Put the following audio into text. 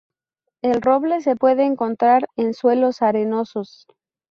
El roble se puede encontrar en suelos arenosos.